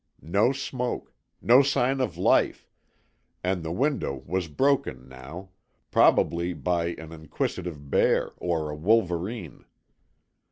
No smoke, no sign of life, and the window was broken now probably by an inquisitive bear or a wolverine.